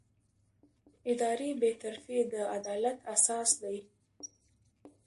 اداري بېطرفي د عدالت اساس دی.